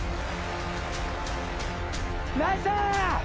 ナイスー！